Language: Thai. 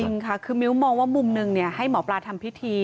จริงค่ะคือมิ้วมองว่ามุมหนึ่งให้หมอปลาทำพิธี